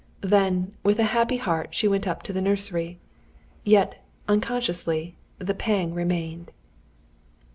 Then, with a happy heart, she went up to the nursery. Yet unconsciously the pang remained.